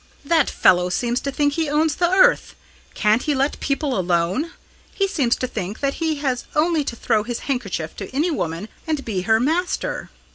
"That fellow seems to think he owns the earth. Can't he let people alone! He seems to think that he has only to throw his handkerchief to any woman, and be her master."